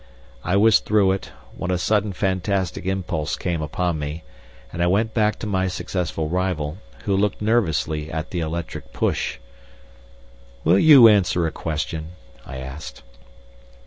I was through it, when a sudden fantastic impulse came upon me, and I went back to my successful rival, who looked nervously at the electric push. "Will you answer a question?" I asked.